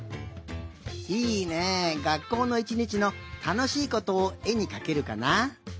いいねがっこうのいちにちのたのしいことをえにかけるかな？